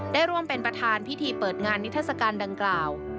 ได้ร่วมเป็นประธานพิธีเปิดงานนิทัศกาลดังกล่าว